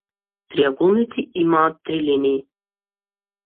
Триаголници имаат три линии.